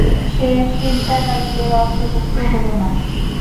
সে সিজদাকারীদের অন্তর্ভুক্ত হলো না।